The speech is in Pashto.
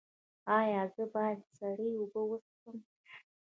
ایا زه باید سړې اوبه وڅښم؟